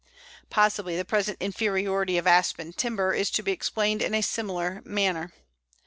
Possibly the present inferiority of Aspen timber is to be explained in a similar manner.